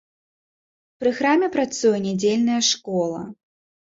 Пры храме працуе нядзельная школа.